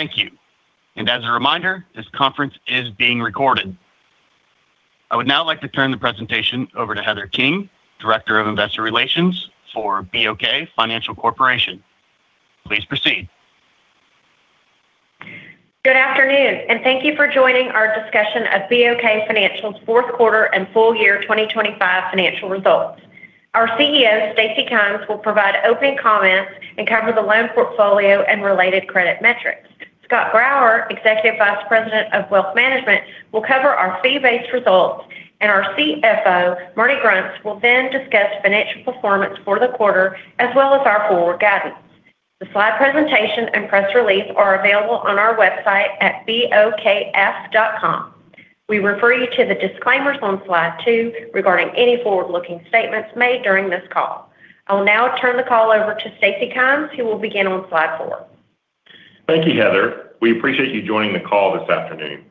Thank you. And as a reminder, this conference is being recorded. I would now like to turn the presentation over to Heather King, Director of Investor Relations for BOK Financial Corporation. Please proceed. Good afternoon, and thank you for joining our discussion of BOK Financial's fourth quarter and full year 2025 financial results. Our CEO, Stacy Kymes, will provide opening comments and cover the loan portfolio and related credit metrics. Scott Grauer, Executive Vice President of Wealth Management, will cover our fee-based results, and our CFO, Marty Grunst, will then discuss financial performance for the quarter as well as our forward guidance. The slide presentation and press release are available on our website at bokf.com. We refer you to the disclaimers on slide two regarding any forward-looking statements made during this call. I will now turn the call over to Stacy Kymes, who will begin on slide four. Thank you, Heather. We appreciate you joining the call this afternoon.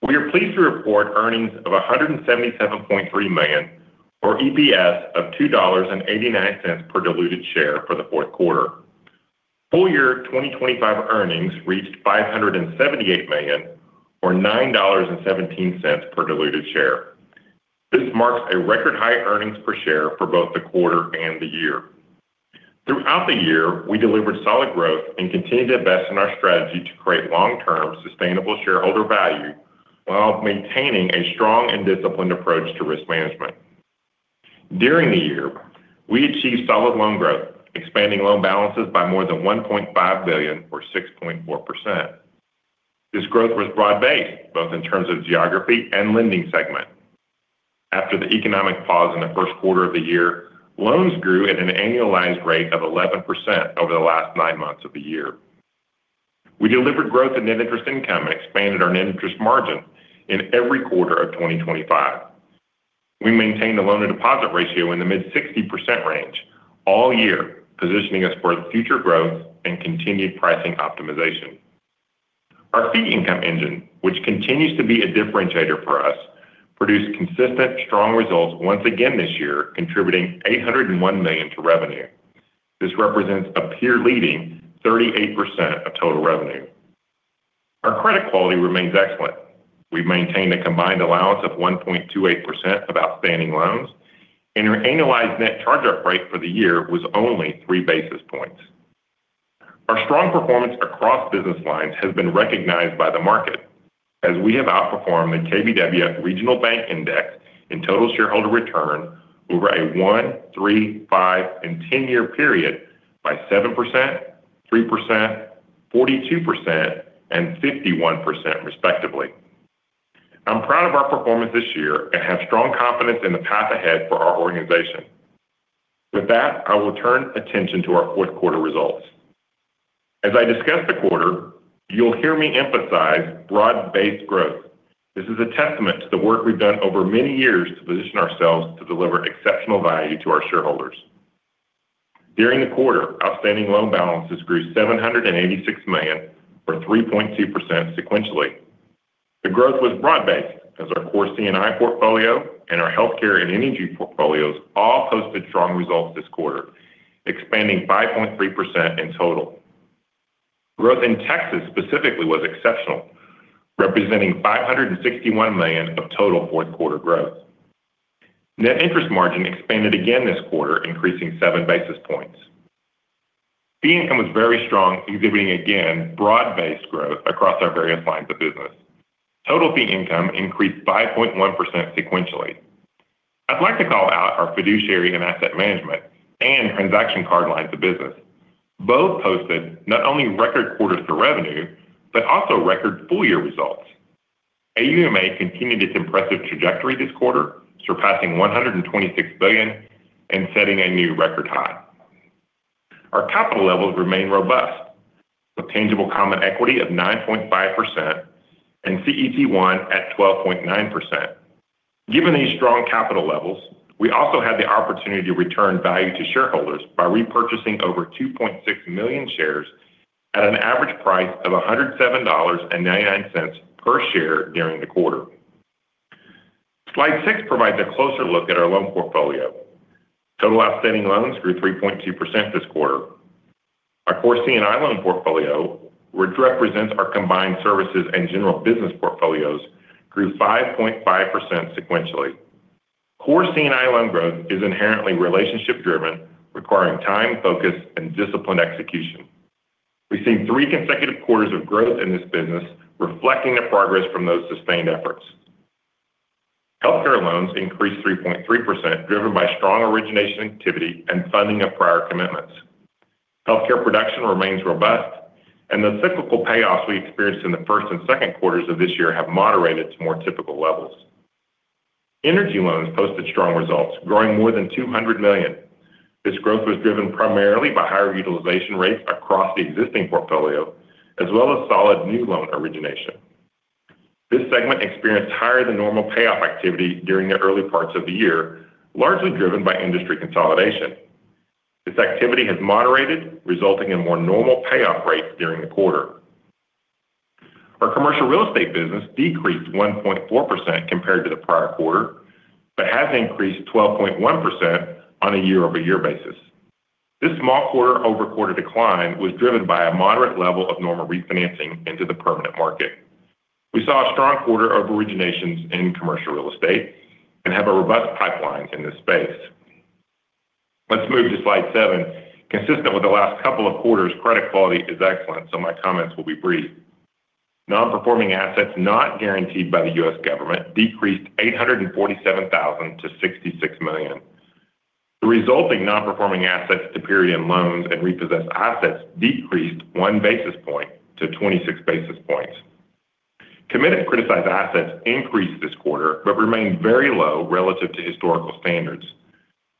We are pleased to report earnings of $177.3 million, or EPS of $2.89 per diluted share for the fourth quarter. Full year 2025 earnings reached $578 million, or $9.17 per diluted share. This marks a record high earnings per share for both the quarter and the year. Throughout the year, we delivered solid growth and continued to invest in our strategy to create long-term sustainable shareholder value while maintaining a strong and disciplined approach to risk management. During the year, we achieved solid loan growth, expanding loan balances by more than $1.5 billion, or 6.4%. This growth was broad-based, both in terms of geography and lending segment. After the economic pause in the first quarter of the year, loans grew at an annualized rate of 11% over the last nine months of the year. We delivered growth in net interest income and expanded our net interest margin in every quarter of 2025. We maintained a loan-to-deposit ratio in the mid-60% range all year, positioning us for future growth and continued pricing optimization. Our fee income engine, which continues to be a differentiator for us, produced consistent, strong results once again this year, contributing $801 million to revenue. This represents a peer-leading 38% of total revenue. Our credit quality remains excellent. We've maintained a combined allowance of 1.28% of outstanding loans, and our annualized net charge-off rate for the year was only three basis points. Our strong performance across business lines has been recognized by the market, as we have outperformed the KBW Regional Banking Index in total shareholder return over a one, three, five, and ten-year period by 7%, 3%, 42%, and 51%, respectively. I'm proud of our performance this year and have strong confidence in the path ahead for our organization. With that, I will turn attention to our fourth quarter results. As I discuss the quarter, you'll hear me emphasize broad-based growth. This is a testament to the work we've done over many years to position ourselves to deliver exceptional value to our shareholders. During the quarter, outstanding loan balances grew $786 million, or 3.2%, sequentially. The growth was broad-based, as our core C&I portfolio and our healthcare and energy portfolios all posted strong results this quarter, expanding 5.3% in total. Growth in Texas specifically was exceptional, representing $561 million of total fourth quarter growth. Net interest margin expanded again this quarter, increasing seven basis points. Fee income was very strong, exhibiting again broad-based growth across our various lines of business. Total fee income increased 5.1% sequentially. I'd like to call out our Fiduciary and Asset Management and Transaction Card lines of business. Both posted not only record quarter-to-date revenue but also record full-year results. AUMA continued its impressive trajectory this quarter, surpassing $126 billion and setting a new record high. Our capital levels remained robust, with Tangible Common Equity of 9.5% and CET1 at 12.9%. Given these strong capital levels, we also had the opportunity to return value to shareholders by repurchasing over 2.6 million shares at an average price of $107.99 per share during the quarter. Slide six provides a closer look at our loan portfolio. Total outstanding loans grew 3.2% this quarter. Our core C&I loan portfolio, which represents our combined services and general business portfolios, grew 5.5% sequentially. Core C&I loan growth is inherently relationship-driven, requiring time, focus, and disciplined execution. We've seen three consecutive quarters of growth in this business, reflecting the progress from those sustained efforts. Healthcare loans increased 3.3%, driven by strong origination activity and funding of prior commitments. Healthcare production remains robust, and the cyclical payoffs we experienced in the first and second quarters of this year have moderated to more typical levels. Energy loans posted strong results, growing more than $200 million. This growth was driven primarily by higher utilization rates across the existing portfolio, as well as solid new loan origination. This segment experienced higher-than-normal payoff activity during the early parts of the year, largely driven by industry consolidation. This activity has moderated, resulting in more normal payoff rates during the quarter. Our commercial real estate business decreased 1.4% compared to the prior quarter but has increased 12.1% on a year-over-year basis. This small quarter-over-quarter decline was driven by a moderate level of normal refinancing into the permanent market. We saw a strong quarter of originations in commercial real estate and have a robust pipeline in this space. Let's move to slide seven. Consistent with the last couple of quarters, credit quality is excellent, so my comments will be brief. Non-performing assets not guaranteed by the U.S. government decreased $847,000 to $66 million. The resulting non-performing assets to period-end loans and repossessed assets decreased one basis point to 26 basis points. Classified and criticized assets increased this quarter but remained very low relative to historical standards.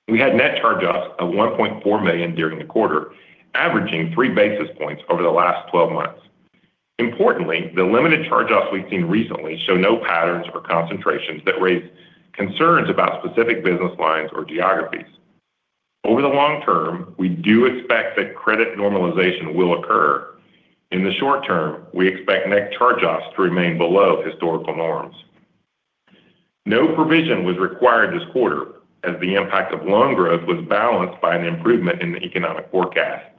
We had net charge-offs of $1.4 million during the quarter, averaging three basis points over the last 12 months. Importantly, the limited charge-offs we've seen recently show no patterns or concentrations that raise concerns about specific business lines or geographies. Over the long term, we do expect that credit normalization will occur. In the short term, we expect net charge-offs to remain below historical norms. No provision was required this quarter, as the impact of loan growth was balanced by an improvement in the economic forecast.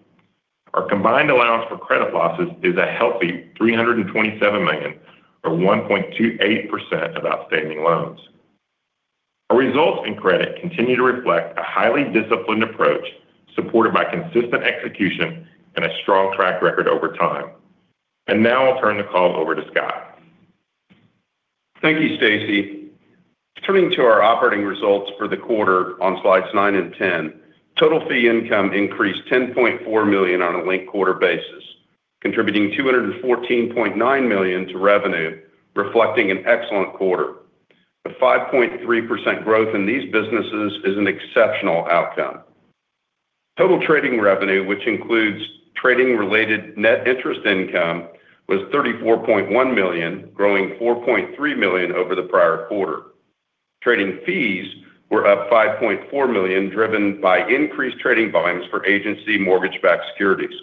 Our combined allowance for credit losses is a healthy $327 million, or 1.28% of outstanding loans. Our results in credit continue to reflect a highly disciplined approach supported by consistent execution and a strong track record over time. And now I'll turn the call over to Scott. Thank you, Stacy. Turning to our operating results for the quarter on slides nine and 10, total fee income increased $10.4 million on a linked quarter basis, contributing $214.9 million to revenue, reflecting an excellent quarter. A 5.3% growth in these businesses is an exceptional outcome. Total trading revenue, which includes trading-related net interest income, was $34.1 million, growing $4.3 million over the prior quarter. Trading fees were up $5.4 million, driven by increased trading volumes for agency mortgage-backed securities.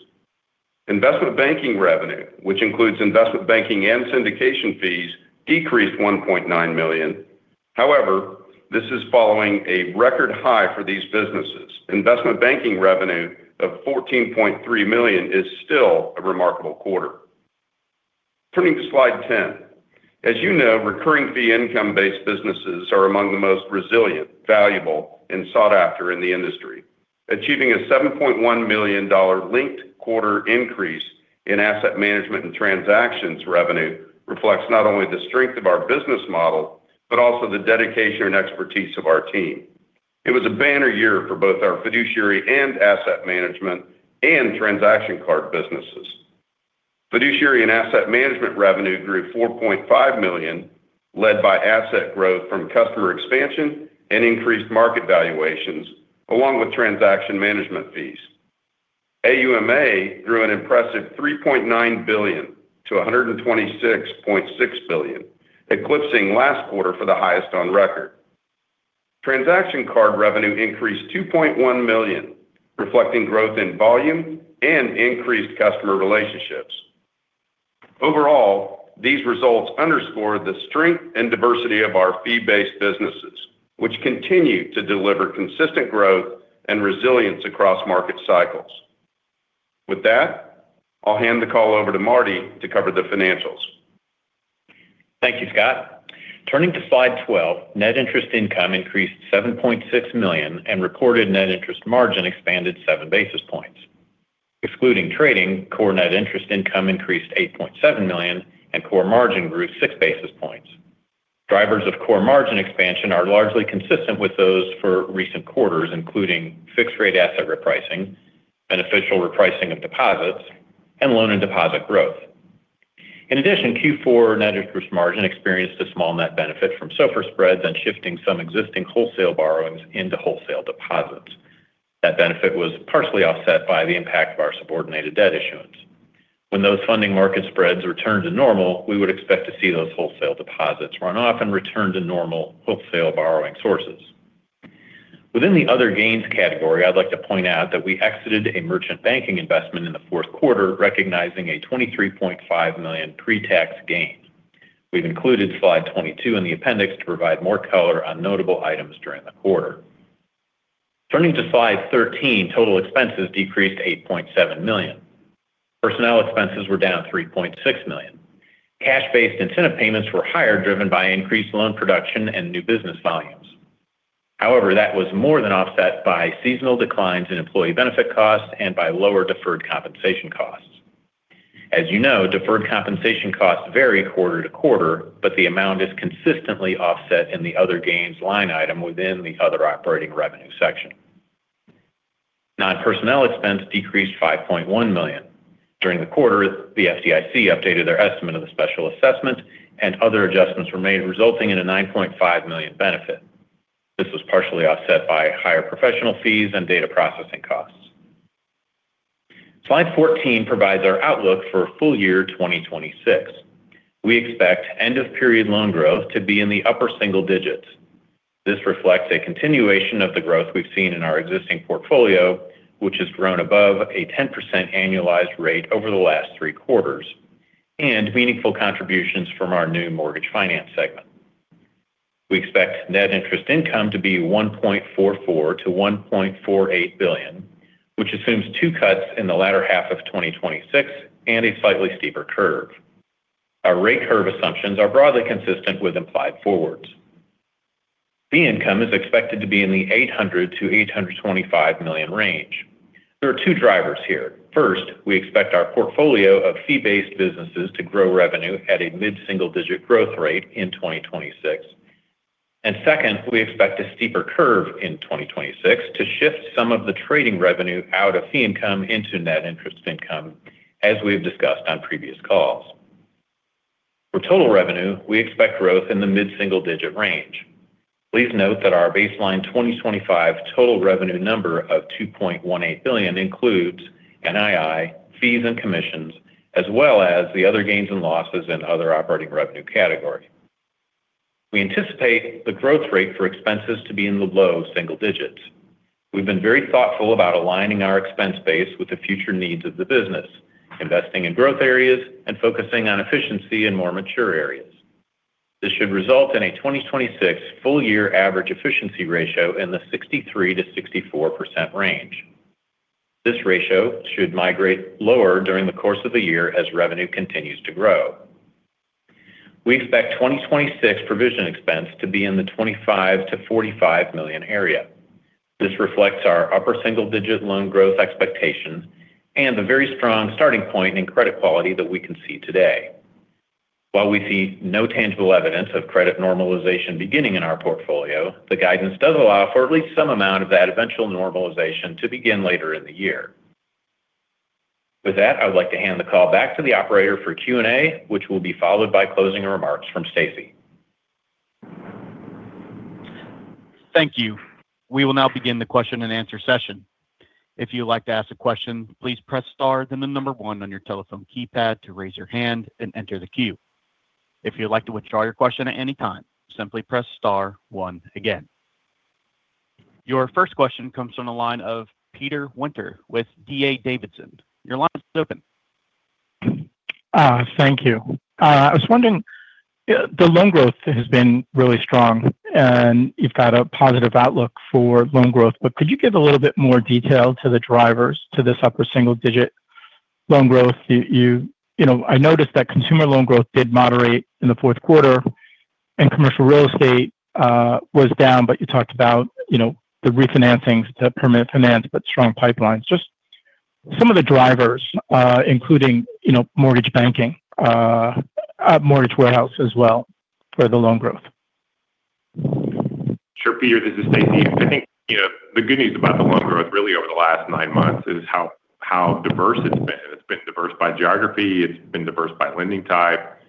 Investment banking revenue, which includes investment banking and syndication fees, decreased $1.9 million. However, this is following a record high for these businesses. Investment banking revenue of $14.3 million is still a remarkable quarter. Turning to slide 10, as you know, recurring fee income-based businesses are among the most resilient, valuable, and sought after in the industry. Achieving a $7.1 million linked quarter increase in asset management and transactions revenue reflects not only the strength of our business model but also the dedication and expertise of our team. It was a banner year for both our fiduciary and asset management and transaction card businesses. Fiduciary and asset management revenue grew $4.5 million, led by asset growth from customer expansion and increased market valuations, along with transaction management fees. AUMA grew an impressive $3.9 billion to $126.6 billion, eclipsing last quarter for the highest on record. Transaction card revenue increased $2.1 million, reflecting growth in volume and increased customer relationships. Overall, these results underscore the strength and diversity of our fee-based businesses, which continue to deliver consistent growth and resilience across market cycles. With that, I'll hand the call over to Marty to cover the financials. Thank you, Scott. Turning to slide twelve, net interest income increased $7.6 million and reported net interest margin expanded seven basis points. Excluding trading, core net interest income increased $8.7 million, and core margin grew six basis points. Drivers of core margin expansion are largely consistent with those for recent quarters, including fixed-rate asset repricing, beneficial repricing of deposits, and loan-and-deposit growth. In addition, Q4 net interest margin experienced a small net benefit from SOFR spreads and shifting some existing wholesale borrowings into wholesale deposits. That benefit was partially offset by the impact of our subordinated debt issuance. When those funding market spreads return to normal, we would expect to see those wholesale deposits run off and return to normal wholesale borrowing sources. Within the other gains category, I'd like to point out that we exited a merchant banking investment in the fourth quarter, recognizing a $23.5 million pre-tax gain. We've included slide 22 in the appendix to provide more color on notable items during the quarter. Turning to slide 13, total expenses decreased $8.7 million. Personnel expenses were down $3.6 million. Cash-based incentive payments were higher, driven by increased loan production and new business volumes. However, that was more than offset by seasonal declines in employee benefit costs and by lower deferred compensation costs. As you know, deferred compensation costs vary quarter to quarter, but the amount is consistently offset in the other gains line item within the other operating revenue section. Non-personnel expense decreased $5.1 million. During the quarter, the FDIC updated their estimate of the special assessment, and other adjustments were made, resulting in a $9.5 million benefit. This was partially offset by higher professional fees and data processing costs. Slide 14 provides our outlook for full year 2026. We expect end-of-period loan growth to be in the upper single digits. This reflects a continuation of the growth we've seen in our existing portfolio, which has grown above a 10% annualized rate over the last three quarters, and meaningful contributions from our new mortgage finance segment. We expect net interest income to be $1.44-$1.48 billion, which assumes two cuts in the latter half of 2026 and a slightly steeper curve. Our rate curve assumptions are broadly consistent with implied forwards. Fee income is expected to be in the $800-$825 million range. There are two drivers here. First, we expect our portfolio of fee-based businesses to grow revenue at a mid-single-digit growth rate in 2026. And second, we expect a steeper curve in 2026 to shift some of the trading revenue out of fee income into net interest income, as we've discussed on previous calls. For total revenue, we expect growth in the mid-single-digit range. Please note that our baseline 2025 total revenue number of $2.18 billion includes NII, fees, and commissions, as well as the other gains and losses in other operating revenue categories. We anticipate the growth rate for expenses to be in the low single digits. We've been very thoughtful about aligning our expense base with the future needs of the business, investing in growth areas, and focusing on efficiency in more mature areas. This should result in a 2026 full-year average efficiency ratio in the 63%-64% range. This ratio should migrate lower during the course of the year as revenue continues to grow. We expect 2026 provision expense to be in the $25 million-$45 million area. This reflects our upper single-digit loan growth expectation and the very strong starting point in credit quality that we can see today. While we see no tangible evidence of credit normalization beginning in our portfolio, the guidance does allow for at least some amount of that eventual normalization to begin later in the year. With that, I would like to hand the call back to the operator for Q&A, which will be followed by closing remarks from Stacy. Thank you. We will now begin the question-and-answer session. If you'd like to ask a question, please press star then the number one on your telephone keypad to raise your hand and enter the queue. If you'd like to withdraw your question at any time, simply press star one again. Your first question comes from the line of Peter Winter with DA Davidson. Your line is open. Thank you. I was wondering, the loan growth has been really strong, and you've got a positive outlook for loan growth, but could you give a little bit more detail to the drivers to this upper single-digit loan growth? I noticed that consumer loan growth did moderate in the fourth quarter, and commercial real estate was down, but you talked about the refinancing to permanent finance but strong pipelines. Just some of the drivers, including mortgage banking, mortgage warehouse as well for the loan growth. Sure, Peter. This is Stacy. I think the good news about the loan growth really over the last nine months is how diverse it's been. It's been diverse by geography. It's been diverse by lending type.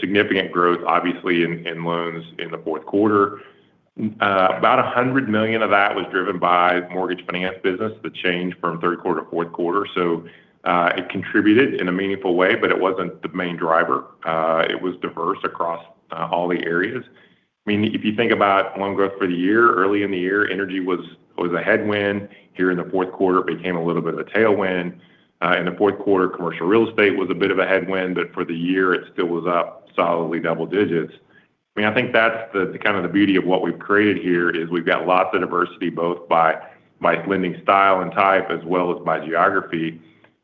Significant growth, obviously, in loans in the fourth quarter. About $100 million of that was driven by mortgage finance business that changed from third quarter to fourth quarter, so it contributed in a meaningful way, but it wasn't the main driver. It was diverse across all the areas. I mean, if you think about loan growth for the year, early in the year, energy was a headwind. Here in the fourth quarter, it became a little bit of a tailwind. In the fourth quarter, commercial real estate was a bit of a headwind, but for the year, it still was up solidly double digits. I mean, I think that's kind of the beauty of what we've created here is we've got lots of diversity both by lending style and type as well as by geography,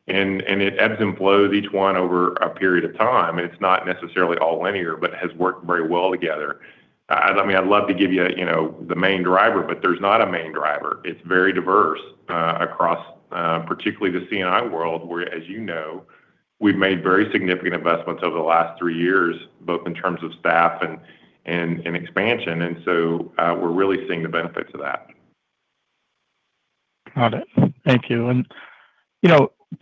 and it ebbs and flows each one over a period of time. It's not necessarily all linear but has worked very well together. I mean, I'd love to give you the main driver, but there's not a main driver. It's very diverse across particularly the C&I world where, as you know, we've made very significant investments over the last three years both in terms of staff and expansion, and so we're really seeing the benefits of that. Got it. Thank you. And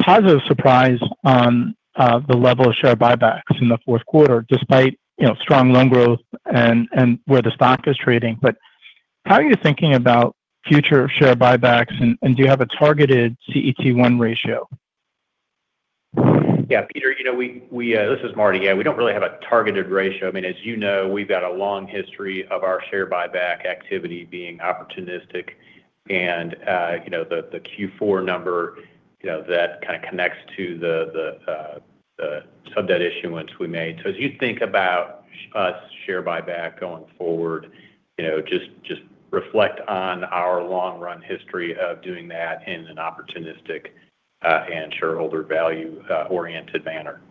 positive surprise on the level of share buybacks in the fourth quarter despite strong loan growth and where the stock is trading, but how are you thinking about future share buybacks, and do you have a targeted CET1 ratio? Yeah, Peter, this is Marty. Yeah, we don't really have a targeted ratio. I mean, as you know, we've got a long history of our share buyback activity being opportunistic, and the Q4 number that kind of connects to the sub-debt issuance we made. So as you think about our share buyback going forward, just reflect on our long-run history of doing that in an opportunistic and shareholder value-oriented manner.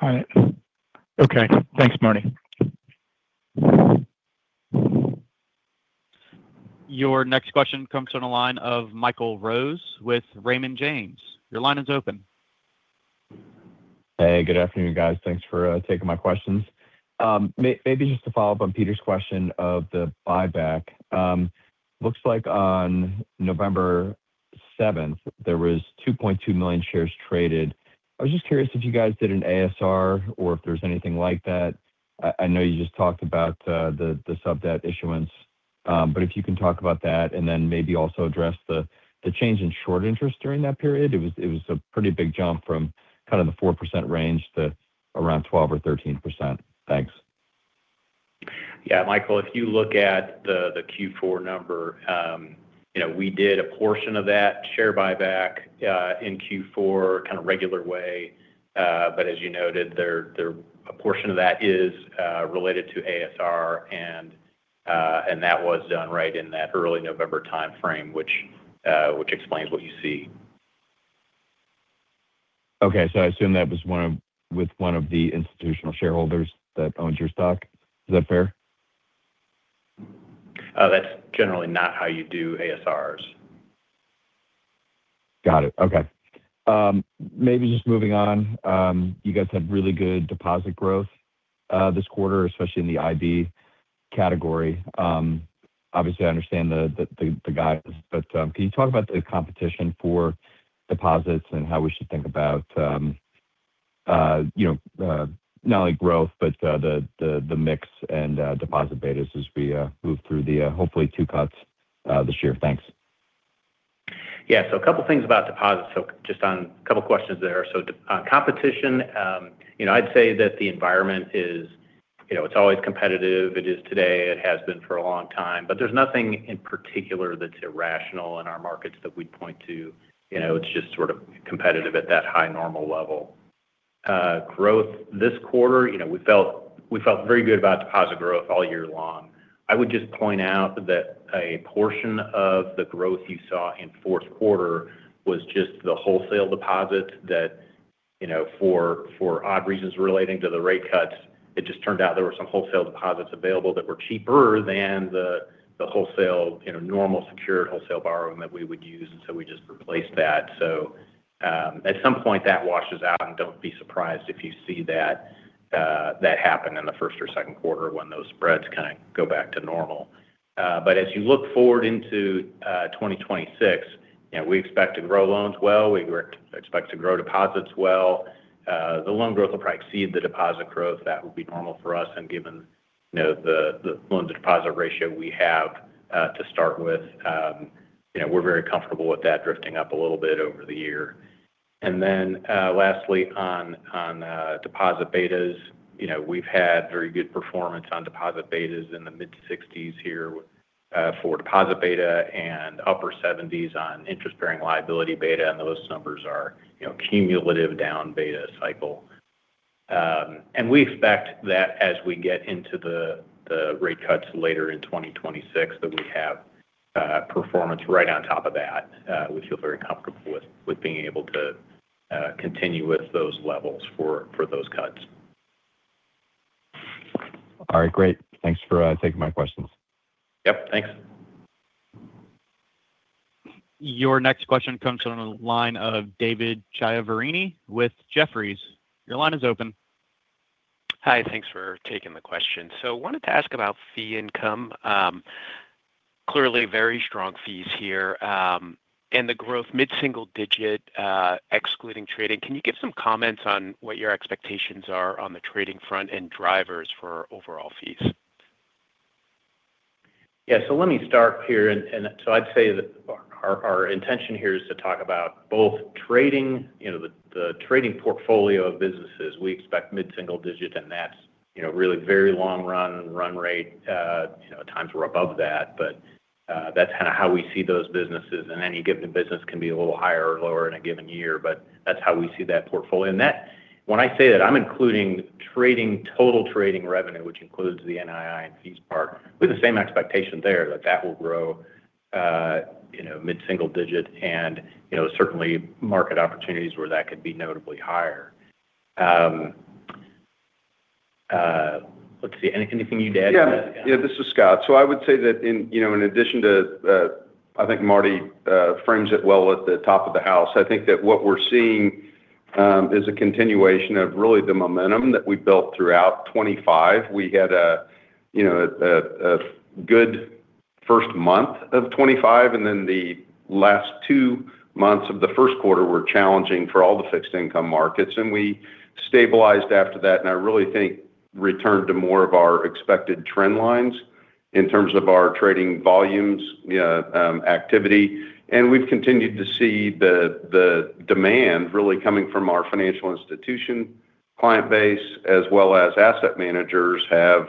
Got it. Okay. Thanks, Marty. Your next question comes from the line of Michael Rose with Raymond James. Your line is open. Hey, good afternoon, guys. Thanks for taking my questions. Maybe just to follow up on Peter's question of the buyback, looks like on November 7th, there were 2.2 million shares traded. I was just curious if you guys did an ASR or if there's anything like that. I know you just talked about the sub-debt issuance, but if you can talk about that and then maybe also address the change in short interest during that period. It was a pretty big jump from kind of the 4% range to around 12% or 13%. Thanks. Yeah, Michael, if you look at the Q4 number, we did a portion of that share buyback in Q4 kind of regular way, but as you noted, a portion of that is related to ASR, and that was done right in that early November time frame, which explains what you see. Okay. So I assume that was with one of the institutional shareholders that owned your stock. Is that fair? That's generally not how you do ASRs. Got it. Okay. Maybe just moving on, you guys had really good deposit growth this quarter, especially in the IB category. Obviously, I understand the guys, but can you talk about the competition for deposits and how we should think about not only growth but the mix and deposit betas as we move through the hopefully two cuts this year? Thanks. Yeah. So a couple of things about deposits. So just on a couple of questions there. So competition, I'd say that the environment is it's always competitive. It is today. It has been for a long time. But there's nothing in particular that's irrational in our markets that we'd point to. It's just sort of competitive at that high normal level. Growth this quarter, we felt very good about deposit growth all year long. I would just point out that a portion of the growth you saw in fourth quarter was just the wholesale deposits that, for odd reasons relating to the rate cuts, it just turned out there were some wholesale deposits available that were cheaper than the wholesale normal secured wholesale borrowing that we would use, and so we just replaced that. At some point, that washes out, and don't be surprised if you see that happen in the first or second quarter when those spreads kind of go back to normal. As you look forward into 2026, we expect to grow loans well. We expect to grow deposits well. The loan growth will probably exceed the deposit growth. That would be normal for us. Given the loan-to-deposit ratio we have to start with, we're very comfortable with that drifting up a little bit over the year. Lastly, on deposit betas, we've had very good performance on deposit betas in the mid-60s here for deposit beta and upper 70s on interest-bearing liability beta, and those numbers are cumulative down beta cycle. We expect that as we get into the rate cuts later in 2026, that we have performance right on top of that. We feel very comfortable with being able to continue with those levels for those cuts. All right. Great. Thanks for taking my questions. Yep. Thanks. Your next question comes from the line of David Chiaverini with Jefferies. Your line is open. Hi. Thanks for taking the question. So I wanted to ask about fee income. Clearly, very strong fees here. And the growth, mid-single digit, excluding trading, can you give some comments on what your expectations are on the trading front and drivers for overall fees? Yeah. So let me start here, and so I'd say that our intention here is to talk about both trading, the trading portfolio of businesses. We expect mid-single digit, and that's really very long run rate. At times, we're above that, but that's kind of how we see those businesses. Any given business can be a little higher or lower in a given year, but that's how we see that portfolio. When I say that, I'm including total trading revenue, which includes the NII and fees part, with the same expectation there that that will grow mid-single digit and certainly market opportunities where that could be notably higher. Let's see. Anything you'd add to that? Yeah. Yeah, this is Scott. So I would say that in addition to I think Marty frames it well at the top of the house. I think that what we're seeing is a continuation of really the momentum that we built throughout 2025. We had a good first month of 2025, and then the last two months of the first quarter were challenging for all the fixed-income markets, and we stabilized after that and I really think returned to more of our expected trend lines in terms of our trading volumes activity. And we've continued to see the demand really coming from our financial institution client base as well as asset managers have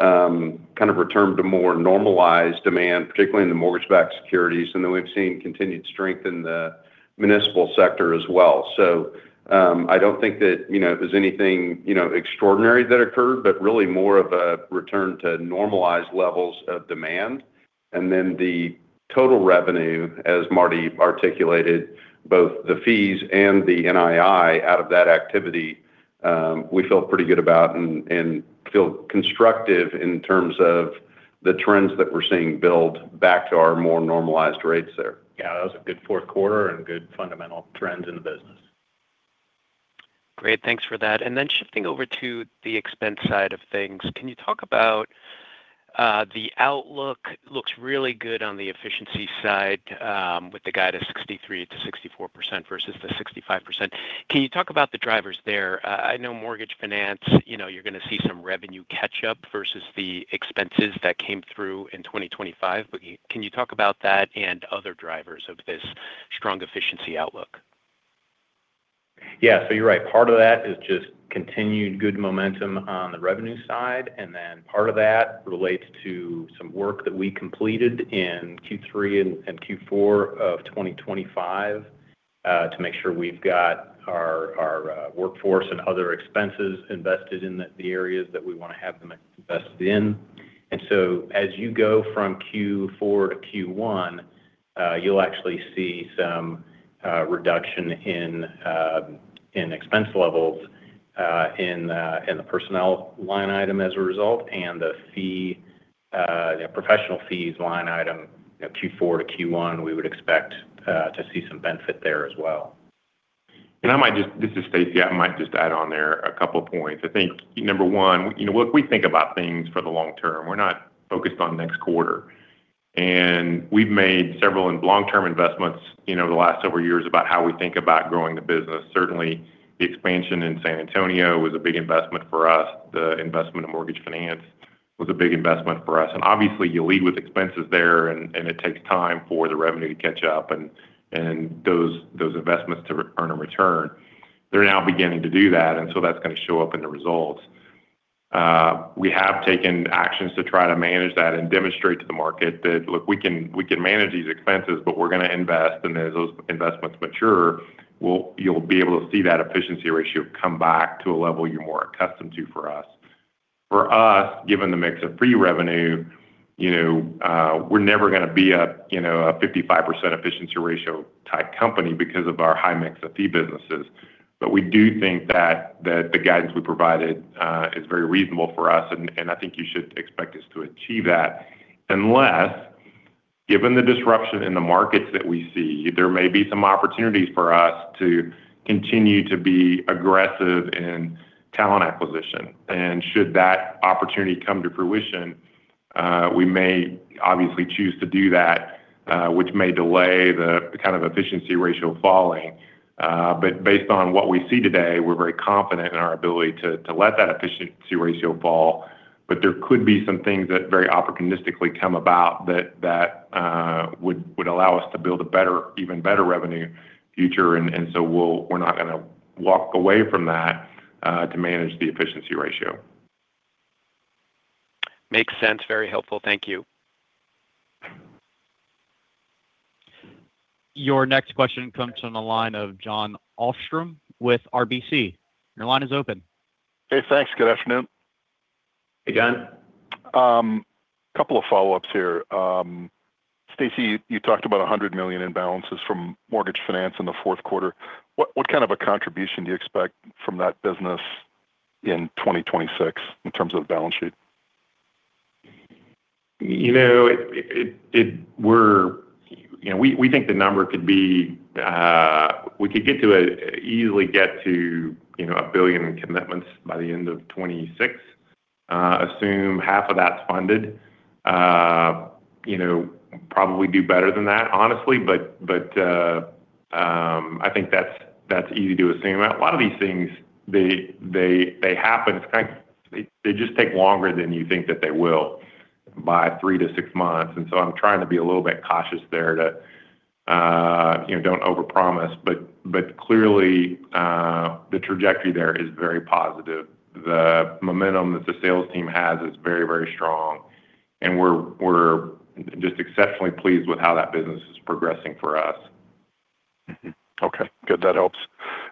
kind of returned to more normalized demand, particularly in the mortgage-backed securities. And then we've seen continued strength in the municipal sector as well. So I don't think that there's anything extraordinary that occurred, but really more of a return to normalized levels of demand. And then the total revenue, as Marty articulated, both the fees and the NII out of that activity, we feel pretty good about and feel constructive in terms of the trends that we're seeing build back to our more normalized rates there. Yeah, that was a good fourth quarter and good fundamental trends in the business. Great. Thanks for that. And then shifting over to the expense side of things, can you talk about the outlook? Looks really good on the efficiency side with the guidance 63%-64% versus the 65%. Can you talk about the drivers there? I know mortgage finance, you're going to see some revenue catch-up versus the expenses that came through in 2025, but can you talk about that and other drivers of this strong efficiency outlook? Yeah. So you're right. Part of that is just continued good momentum on the revenue side, and then part of that relates to some work that we completed in Q3 and Q4 of 2025 to make sure we've got our workforce and other expenses invested in the areas that we want to have them invested in. And so as you go from Q4-Q1, you'll actually see some reduction in expense levels in the personnel line item as a result and the professional fees line item Q4-Q1. We would expect to see some benefit there as well. This is Stacy. I might just add on there a couple of points. I think number one, we think about things for the long term. We're not focused on next quarter. And we've made several long-term investments the last several years about how we think about growing the business. Certainly, the expansion in San Antonio was a big investment for us. The investment in mortgage finance was a big investment for us. And obviously, you lead with expenses there, and it takes time for the revenue to catch up and those investments to earn a return. They're now beginning to do that, and so that's going to show up in the results. We have taken actions to try to manage that and demonstrate to the market that, "Look, we can manage these expenses, but we're going to invest." And as those investments mature, you'll be able to see that efficiency ratio come back to a level you're more accustomed to for us. For us, given the mix of pre-revenue, we're never going to be a 55% efficiency ratio type company because of our high mix of fee businesses. But we do think that the guidance we provided is very reasonable for us, and I think you should expect us to achieve that unless, given the disruption in the markets that we see, there may be some opportunities for us to continue to be aggressive in talent acquisition. And should that opportunity come to fruition, we may obviously choose to do that, which may delay the kind of efficiency ratio falling. But based on what we see today, we're very confident in our ability to let that efficiency ratio fall. But there could be some things that very opportunistically come about that would allow us to build a better, even better revenue future. And so we're not going to walk away from that to manage the efficiency ratio. Makes sense. Very helpful. Thank you. Your next question comes from the line of Jon Arfstrom with RBC. Your line is open. Hey, thanks. Good afternoon. A couple of follow-ups here. Stacy, you talked about $100 million in balances from mortgage finance in the fourth quarter. What kind of a contribution do you expect from that business in 2026 in terms of the balance sheet? We think the number could easily get to a billion commitments by the end of 2026. Assume half of that's funded. Probably do better than that, honestly, but I think that's easy to assume. A lot of these things, they happen. They just take longer than you think that they will by three to six months. And so I'm trying to be a little bit cautious there so we don't overpromise. But clearly, the trajectory there is very positive. The momentum that the sales team has is very, very strong, and we're just exceptionally pleased with how that business is progressing for us. Okay. Good. That helps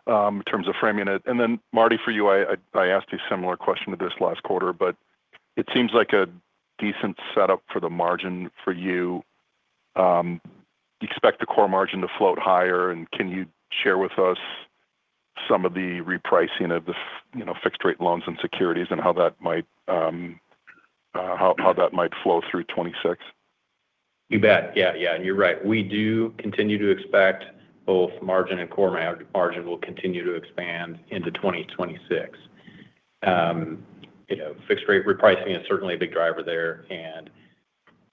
in terms of framing it. And then, Marty, for you, I asked a similar question to this last quarter, but it seems like a decent setup for the margin for you. You expect the core margin to float higher. And can you share with us some of the repricing of the fixed-rate loans and securities and how that might flow through 2026? You bet. Yeah. And you're right. We do continue to expect both margin and core margin will continue to expand into 2026. Fixed-rate repricing is certainly a big driver there. And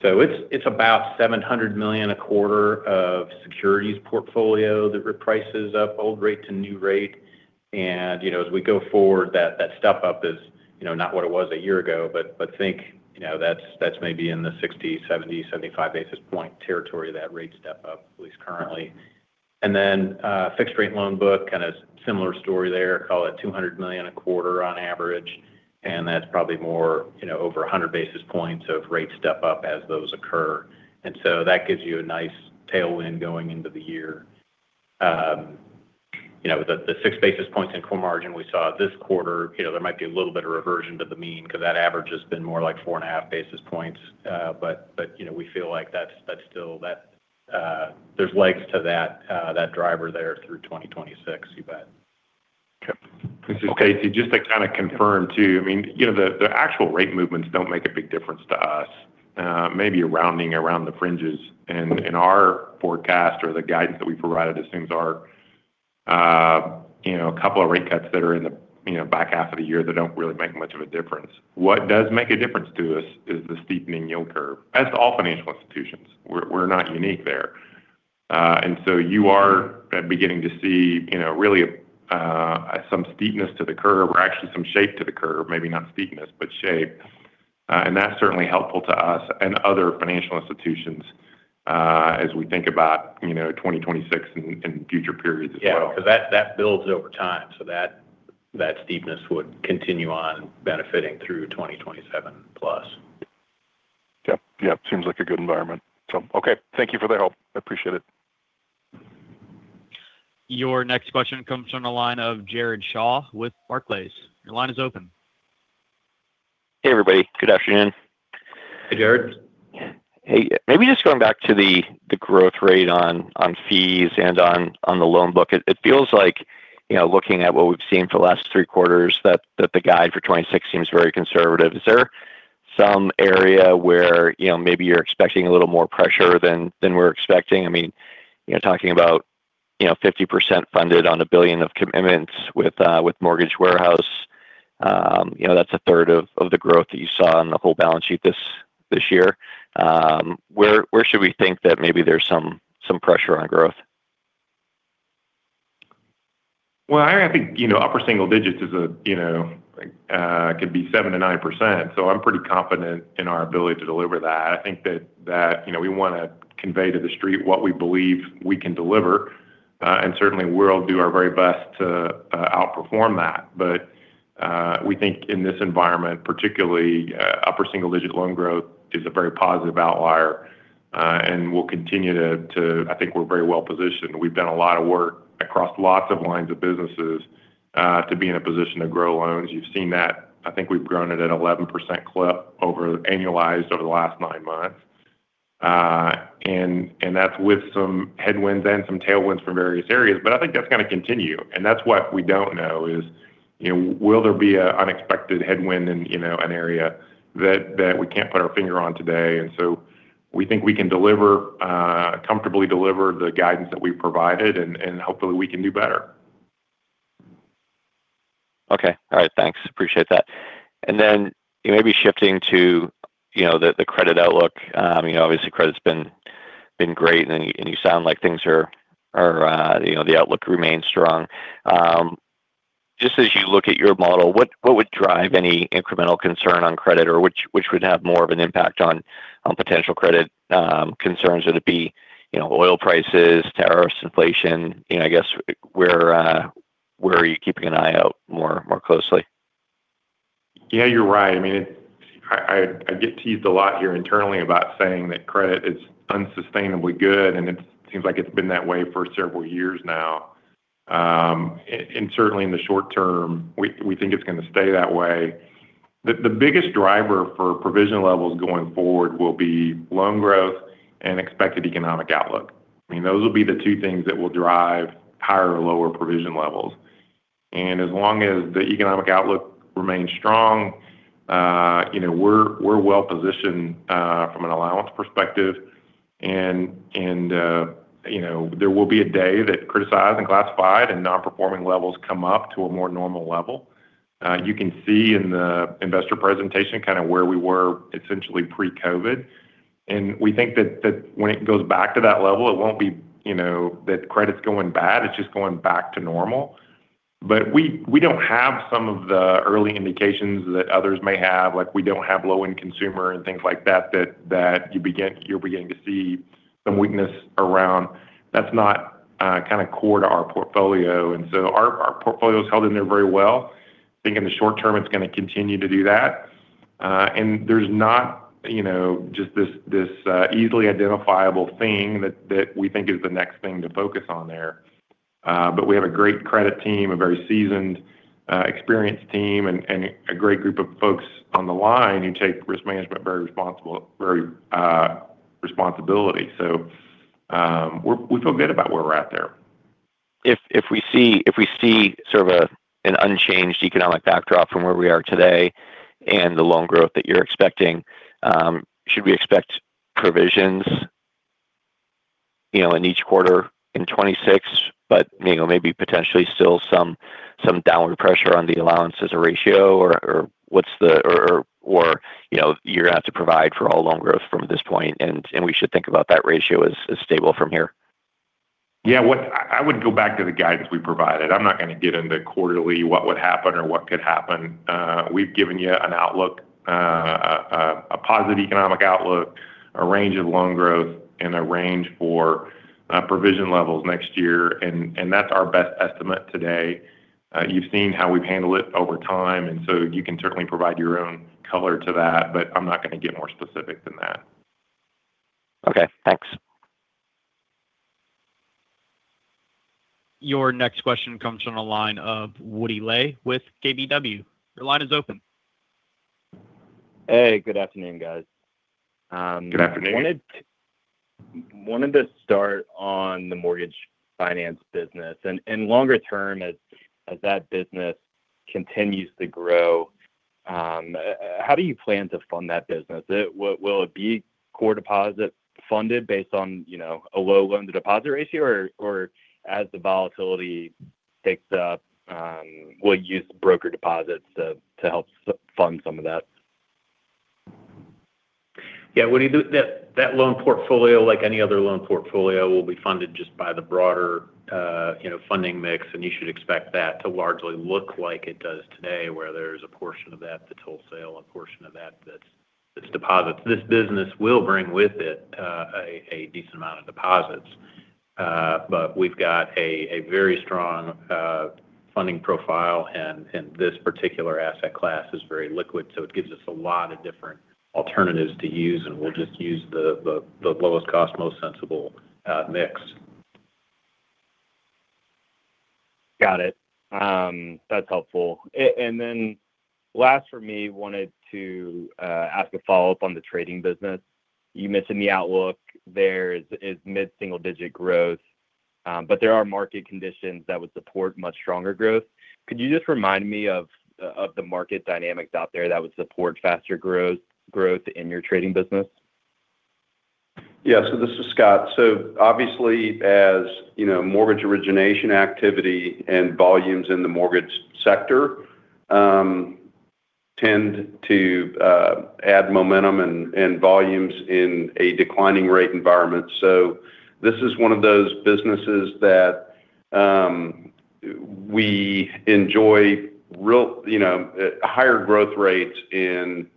so it's about $700 million a quarter of securities portfolio that reprices up old rate to new rate. And as we go forward, that step-up is not what it was a year ago, but think that's maybe in the 60, 70, 75 basis point territory of that rate step-up, at least currently. And then fixed-rate loan book, kind of similar story there. Call it $200 million a quarter on average, and that's probably more over 100 basis points of rate step-up as those occur. And so that gives you a nice tailwind going into the year. The six basis points in core margin we saw this quarter, there might be a little bit of reversion to the mean because that average has been more like four and a half basis points. But we feel like that's still there's legs to that driver there through 2026. You bet. Okay. This is Stacy. Just to kind of confirm too, I mean, the actual rate movements don't make a big difference to us. Maybe a rounding around the fringes in our forecast or the guidance that we provided assumes a couple of rate cuts that are in the back half of the year that don't really make much of a difference. What does make a difference to us is the steepening yield curve. That's all financial institutions. We're not unique there. And so you are beginning to see really some steepness to the curve or actually some shape to the curve, maybe not steepness, but shape. And that's certainly helpful to us and other financial institutions as we think about 2026 and future periods as well. Yeah. Because that builds over time. So that steepness would continue on benefiting through 2027 plus. Yep. Yep. Seems like a good environment. So okay. Thank you for the help. I appreciate it. Your next question comes from the line of Jared Shaw with Barclays. Your line is open. Hey, everybody. Good afternoon. Hey, Jared. Hey. Maybe just going back to the growth rate on fees and on the loan book, it feels like looking at what we've seen for the last three quarters, that the guide for 2026 seems very conservative. Is there some area where maybe you're expecting a little more pressure than we're expecting? I mean, talking about 50% funded on a billion of commitments with Mortgage Warehouse, that's a third of the growth that you saw in the whole balance sheet this year. Where should we think that maybe there's some pressure on growth? I think upper single digits could be 7%-9%. I'm pretty confident in our ability to deliver that. I think that we want to convey to the street what we believe we can deliver. Certainly, we'll do our very best to outperform that. We think in this environment, particularly upper single-digit loan growth is a very positive outlier. We'll continue to. I think we're very well positioned. We've done a lot of work across lots of lines of businesses to be in a position to grow loans. You've seen that. I think we've grown it at an 11% clip annualized over the last nine months. That's with some headwinds and some tailwinds from various areas. I think that's going to continue. And that's what we don't know is, will there be an unexpected headwind in an area that we can't put our finger on today? And so we think we can comfortably deliver the guidance that we've provided, and hopefully, we can do better. Okay. All right. Thanks. Appreciate that. And then maybe shifting to the credit outlook. Obviously, credit's been great, and you sound like things are, the outlook remains strong. Just as you look at your model, what would drive any incremental concern on credit, or which would have more of an impact on potential credit concerns? Would it be oil prices, tariffs, inflation? I guess, where are you keeping an eye out more closely? Yeah, you're right. I mean, I get teased a lot here internally about saying that credit is unsustainably good, and it seems like it's been that way for several years now. And certainly, in the short term, we think it's going to stay that way. The biggest driver for provision levels going forward will be loan growth and expected economic outlook. I mean, those will be the two things that will drive higher or lower provision levels. And as long as the economic outlook remains strong, we're well positioned from an allowance perspective. And there will be a day when criticized and classified and non-performing levels come up to a more normal level. You can see in the investor presentation kind of where we were essentially pre-COVID. And we think that when it goes back to that level, it won't be that credit's going bad. It's just going back to normal. But we don't have some of the early indications that others may have. We don't have low-end consumer and things like that that you're beginning to see some weakness around. That's not kind of core to our portfolio. And so our portfolio is held in there very well. I think in the short term, it's going to continue to do that. And there's not just this easily identifiable thing that we think is the next thing to focus on there. But we have a great credit team, a very seasoned, experienced team, and a great group of folks on the line who take risk management very responsibly. So we feel good about where we're at there. If we see sort of an unchanged economic backdrop from where we are today and the loan growth that you're expecting, should we expect provisions in each quarter in 2026, but maybe potentially still some downward pressure on the allowances ratio, or what's the, or you're going to have to provide for all loan growth from this point, and we should think about that ratio as stable from here? Yeah. I would go back to the guidance we provided. I'm not going to get into quarterly what would happen or what could happen. We've given you an outlook, a positive economic outlook, a range of loan growth, and a range for provision levels next year. And that's our best estimate today. You've seen how we've handled it over time. And so you can certainly provide your own color to that, but I'm not going to get more specific than that. Okay. Thanks. Your next question comes from the line of Woody Lay with KBW. Your line is open. Hey. Good afternoon, guys. Good afternoon. I wanted to start on the mortgage finance business. And longer term, as that business continues to grow, how do you plan to fund that business? Will it be core deposit funded based on a low-loan-to-deposit ratio, or as the volatility picks up, we'll use broker deposits to help fund some of that? Yeah. That loan portfolio, like any other loan portfolio, will be funded just by the broader funding mix. And you should expect that to largely look like it does today, where there's a portion of that that's wholesale and a portion of that that's deposits. This business will bring with it a decent amount of deposits. But we've got a very strong funding profile, and this particular asset class is very liquid. So it gives us a lot of different alternatives to use, and we'll just use the lowest cost, most sensible mix. Got it. That's helpful. And then last for me, wanted to ask a follow-up on the trading business. You mentioned the outlook. There is mid-single-digit growth, but there are market conditions that would support much stronger growth. Could you just remind me of the market dynamics out there that would support faster growth in your trading business? Yeah. This is Scott. Obviously, as mortgage origination activity and volumes in the mortgage sector tend to add momentum and volumes in a declining rate environment, this is one of those businesses that we enjoy higher growth rates in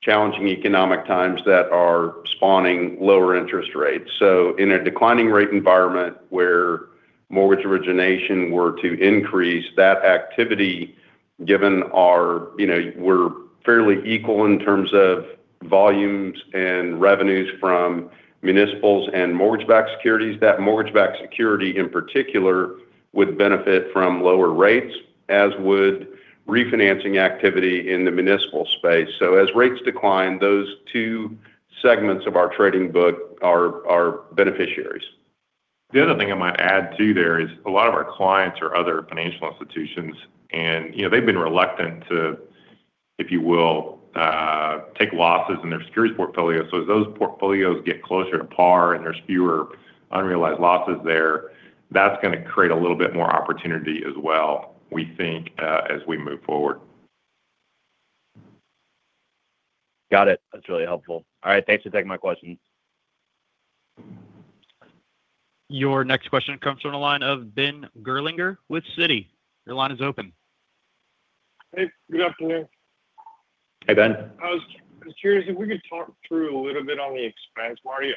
challenging economic times that are spawning lower interest rates. In a declining rate environment where mortgage origination were to increase, that activity, given we're fairly equal in terms of volumes and revenues from municipals and mortgage-backed securities, that mortgage-backed security in particular would benefit from lower rates, as would refinancing activity in the municipal space. As rates decline, those two segments of our trading book are beneficiaries. The other thing I might add too there is a lot of our clients are other financial institutions, and they've been reluctant to, if you will, take losses in their securities portfolio. So as those portfolios get closer to par and there's fewer unrealized losses there, that's going to create a little bit more opportunity as well, we think, as we move forward. Got it. That's really helpful. All right. Thanks for taking my questions. Your next question comes from the line of Ben Gerlinger with Citi. Your line is open. Hey. Good afternoon. Hey, Ben. I was curious if we could talk through a little bit on the expense, Marty.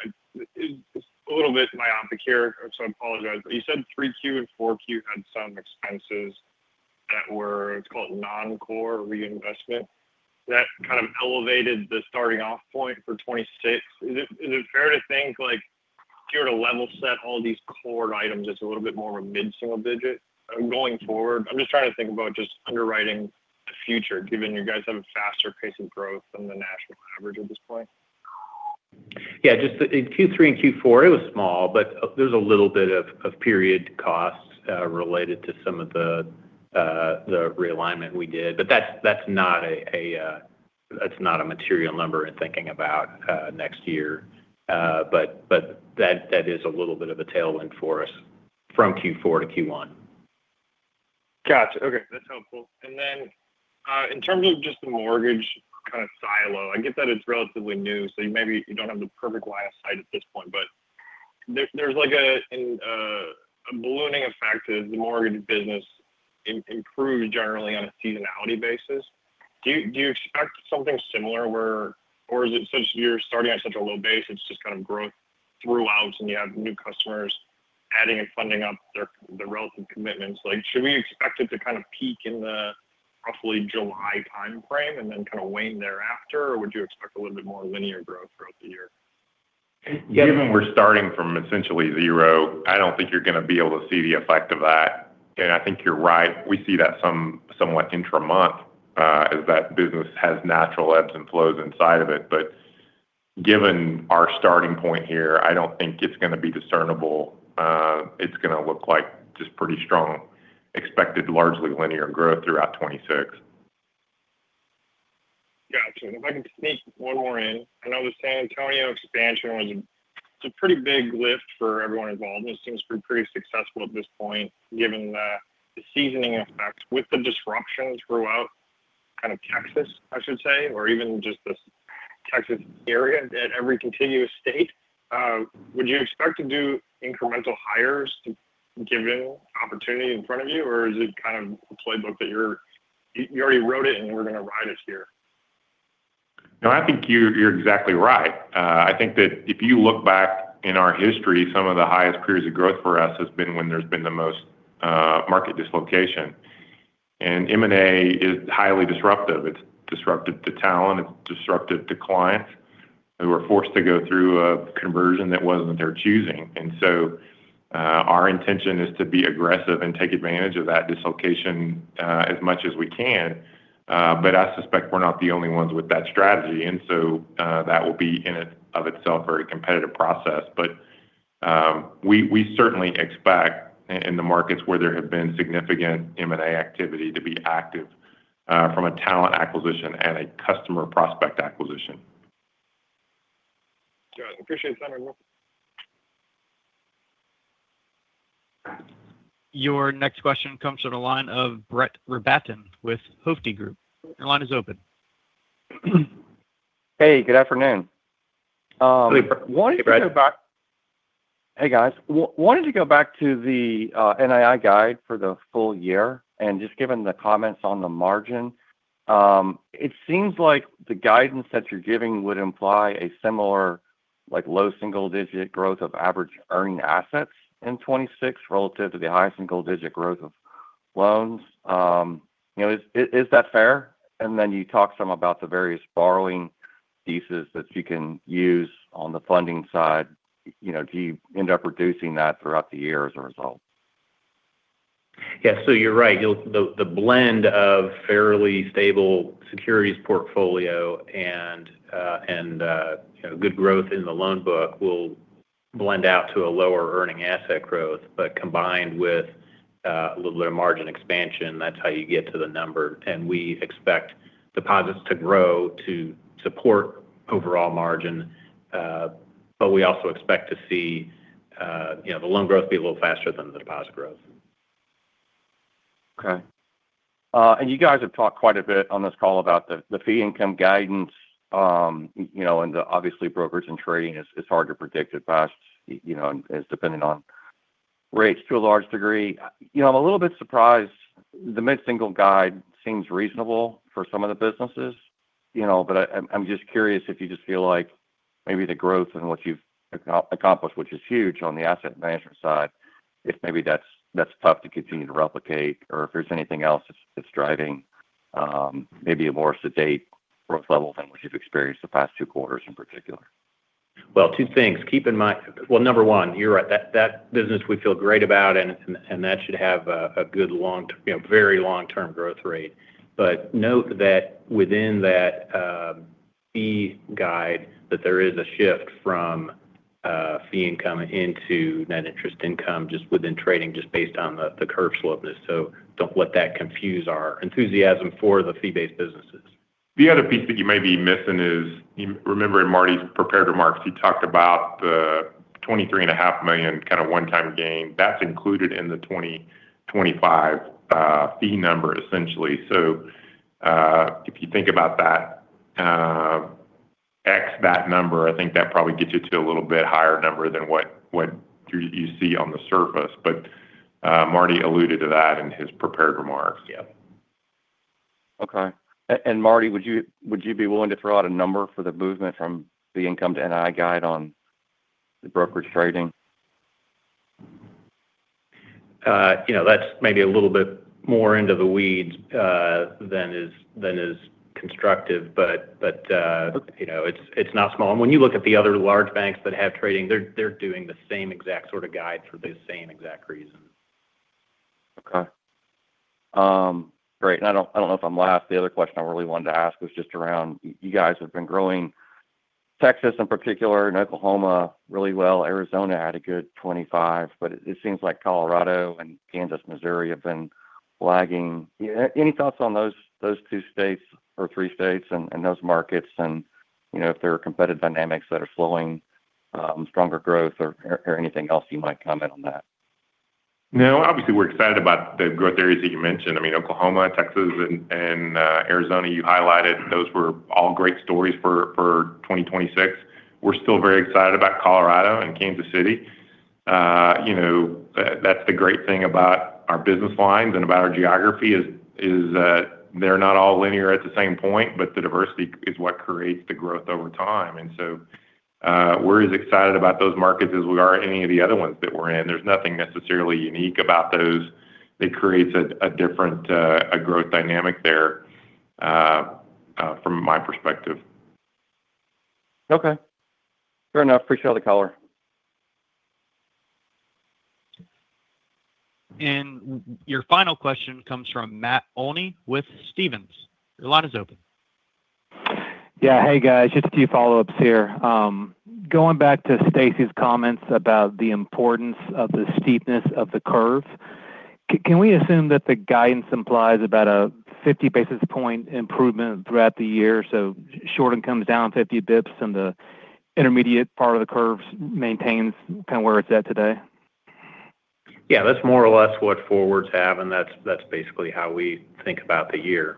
It's a little bit myopic here, so I apologize. But you said 3Q and 4Q had some expenses that were. It's called non-core reinvestment. That kind of elevated the starting off point for 2026. Is it fair to think if you were to level set all these core items as a little bit more of a mid-single digit going forward? I'm just trying to think about just underwriting the future, given you guys have a faster pace of growth than the national average at this point. Yeah. In Q3 and Q4, it was small, but there's a little bit of period costs related to some of the realignment we did. But that's not a material number in thinking about next year. But that is a little bit of a tailwind for us from Q4 to Q1. Gotcha. Okay. That's helpful. And then in terms of just the mortgage kind of silo, I get that it's relatively new, so maybe you don't have the perfect line of sight at this point. But there's a ballooning effect as the mortgage business improves generally on a seasonality basis. Do you expect something similar, or is it such you're starting at such a low base, it's just kind of growth throughout, and you have new customers adding and funding up their relative commitments? Should we expect it to kind of peak in the roughly July timeframe and then kind of wane thereafter, or would you expect a little bit more linear growth throughout the year? Given we're starting from essentially zero, I don't think you're going to be able to see the effect of that, and I think you're right. We see that somewhat intra-month as that business has natural ebbs and flows inside of it, but given our starting point here, I don't think it's going to be discernible. It's going to look like just pretty strong expected largely linear growth throughout 2026. Gotcha. If I can sneak one more in. I know the San Antonio expansion was a pretty big lift for everyone involved. It seems to be pretty successful at this point, given the seasoning effect with the disruption throughout kind of Texas, I should say, or even just the Texas area at every contiguous state. Would you expect to do incremental hires given opportunity in front of you, or is it kind of a playbook that you already wrote it and we're going to ride it here? No, I think you're exactly right. I think that if you look back in our history, some of the highest periods of growth for us have been when there's been the most market dislocation, and M&A is highly disruptive. It's disruptive to talent. It's disruptive to clients who are forced to go through a conversion that wasn't their choosing, and so our intention is to be aggressive and take advantage of that dislocation as much as we can, but I suspect we're not the only ones with that strategy, and so that will be, in and of itself, a very competitive process, but we certainly expect in the markets where there have been significant M&A activity to be active from a talent acquisition and a customer prospect acquisition. Got it. Appreciate it. Your next question comes from the line of Brett Rabatin with Hovde Group. Your line is open. Hey. Good afternoon. Hey, guys. Wanted to go back to the NII guide for the full year. And just given the comments on the margin, it seems like the guidance that you're giving would imply a similar low single-digit growth of average earning assets in 2026 relative to the high single-digit growth of loans. Is that fair? And then you talk some about the various borrowing pieces that you can use on the funding side. Do you end up reducing that throughout the year as a result? Yeah. So you're right. The blend of fairly stable securities portfolio and good growth in the loan book will blend out to a lower earning asset growth. But combined with a little bit of margin expansion, that's how you get to the number. And we expect deposits to grow to support overall margin. But we also expect to see the loan growth be a little faster than the deposit growth. Okay. And you guys have talked quite a bit on this call about the fee income guidance. And obviously, brokerage trading is hard to predict at best, depending on rates to a large degree. I'm a little bit surprised. The mid-single guide seems reasonable for some of the businesses. But I'm just curious if you just feel like maybe the growth and what you've accomplished, which is huge on the asset management side, if maybe that's tough to continue to replicate, or if there's anything else that's driving maybe a more sedate growth level than what you've experienced the past two quarters in particular. Well, two things. Keep in mind, well, number one, you're right. That business we feel great about, and that should have a good, very long-term growth rate. But note that within that fee guide, that there is a shift from fee income into net interest income just within trading, just based on the curve steepness. So don't let that confuse our enthusiasm for the fee-based businesses. The other piece that you may be missing is, remember in Marty's prepared remarks, he talked about the $23.5 million kind of one-time gain. That's included in the 2025 fee number, essentially. So if you think about that, ex that number, I think that probably gets you to a little bit higher number than what you see on the surface. But Marty alluded to that in his prepared remarks. Yeah. Okay. And Marty, would you be willing to throw out a number for the movement from the income to NII guide on the brokerage trading? That's maybe a little bit more into the weeds than is constructive. But it's not small, and when you look at the other large banks that have trading, they're doing the same exact sort of guide for the same exact reason. Okay. Great, and I don't know if I'm last. The other question I really wanted to ask was just around you guys have been growing Texas in particular and Oklahoma really well. Arizona had a good 25. But it seems like Colorado and Kansas, Missouri have been lagging. Any thoughts on those two states or three states and those markets and if there are competitive dynamics that are slowing stronger growth or anything else you might comment on that? No. Obviously, we're excited about the growth areas that you mentioned. I mean, Oklahoma, Texas, and Arizona you highlighted. Those were all great stories for 2026. We're still very excited about Colorado and Kansas City. That's the great thing about our business lines and about our geography is they're not all linear at the same point, but the diversity is what creates the growth over time. And so we're as excited about those markets as we are at any of the other ones that we're in. There's nothing necessarily unique about those. It creates a different growth dynamic there from my perspective. Okay. Fair enough. Appreciate all the color. Your final question comes from Matt Olney with Stephens. Your line is open. Yeah. Hey, guys. Just a few follow-ups here. Going back to Stacy's comments about the importance of the steepness of the curve, can we assume that the guidance implies about a 50 basis point improvement throughout the year? So short end comes down 50 basis points, and the intermediate part of the curve maintains kind of where it's at today? Yeah. That's more or less what forecasts have, and that's basically how we think about the year.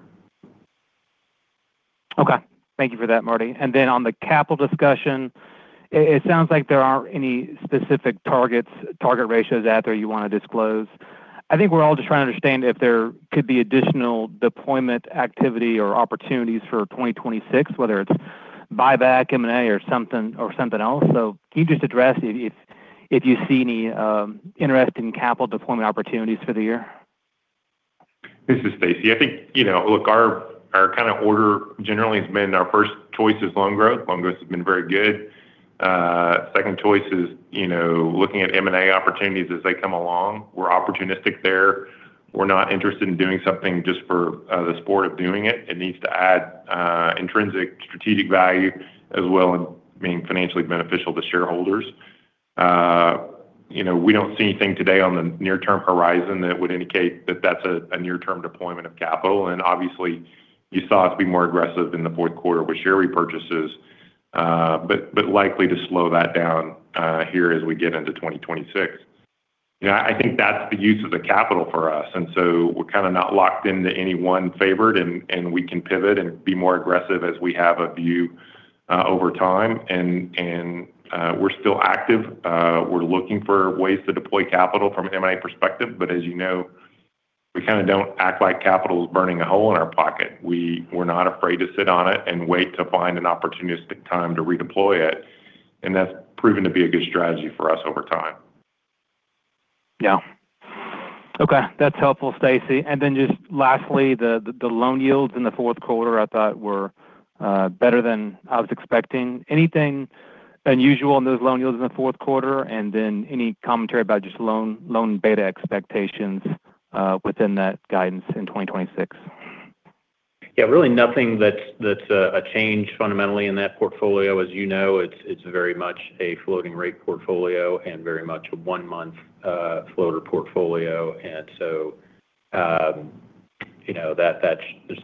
Okay. Thank you for that, Marty. And then on the capital discussion, it sounds like there aren't any specific target ratios out there you want to disclose. I think we're all just trying to understand if there could be additional deployment activity or opportunities for 2026, whether it's buyback, M&A, or something else. So can you just address if you see any interesting capital deployment opportunities for the year? This is Stacy. I think, look, our kind of order generally has been our first choice is loan growth. Loan growth has been very good. Second choice is looking at M&A opportunities as they come along. We're opportunistic there. We're not interested in doing something just for the sport of doing it. It needs to add intrinsic strategic value as well as being financially beneficial to shareholders. We don't see anything today on the near-term horizon that would indicate that that's a near-term deployment of capital, and obviously, you saw us be more aggressive in the fourth quarter with share repurchases, but likely to slow that down here as we get into 2026. I think that's the use of the capital for us, and so we're kind of not locked into any one favorite, and we can pivot and be more aggressive as we have a view over time. And we're still active. We're looking for ways to deploy capital from an M&A perspective. But as you know, we kind of don't act like capital is burning a hole in our pocket. We're not afraid to sit on it and wait to find an opportunistic time to redeploy it. And that's proven to be a good strategy for us over time. Yeah. Okay. That's helpful, Stacy. And then just lastly, the loan yields in the fourth quarter, I thought, were better than I was expecting. Anything unusual in those loan yields in the fourth quarter? And then any commentary about just loan beta expectations within that guidance in 2026? Yeah. Really nothing that's a change fundamentally in that portfolio. As you know, it's very much a floating-rate portfolio and very much a one-month floater portfolio. And so there's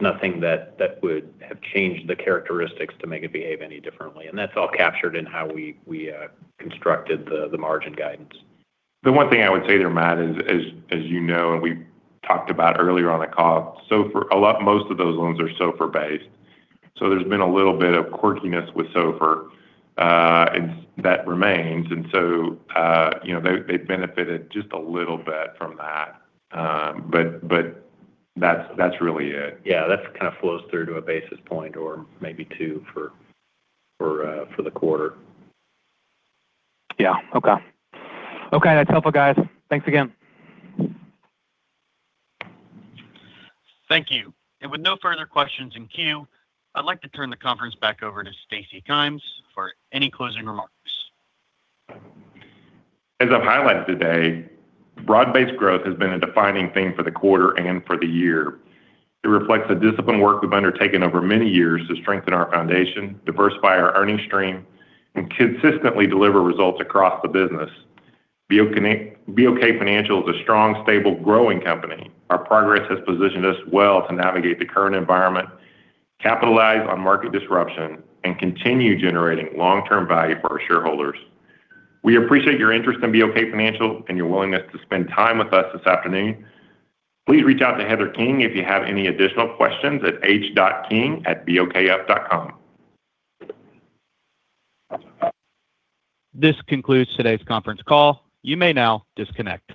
nothing that would have changed the characteristics to make it behave any differently. And that's all captured in how we constructed the margin guidance. The one thing I would say there, Matt, as you know, and we talked about earlier on the call, most of those loans are SOFR-based. So there's been a little bit of quirkiness with SOFR, and that remains. And so they've benefited just a little bit from that. But that's really it. Yeah. That kind of flows through to a basis point or maybe two for the quarter. Yeah. Okay. Okay. That's helpful, guys. Thanks again. Thank you. With no further questions in queue, I'd like to turn the conference back over to Stacy Kymes for any closing remarks. As I've highlighted today, broad-based growth has been a defining thing for the quarter and for the year. It reflects the discipline work we've undertaken over many years to strengthen our foundation, diversify our earnings stream, and consistently deliver results across the business. BOK Financial is a strong, stable, growing company. Our progress has positioned us well to navigate the current environment, capitalize on market disruption, and continue generating long-term value for our shareholders. We appreciate your interest in BOK Financial and your willingness to spend time with us this afternoon. Please reach out to Heather King if you have any additional questions at h.king@bokf.com. This concludes today's conference call. You may now disconnect.